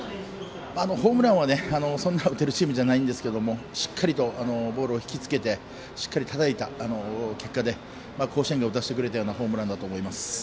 ホームランはそんな打てるチームじゃないんですけどしっかりと、ボールを引きつけてしっかりたたいた結果で甲子園が打たせてくれたようなホームランだったと思います。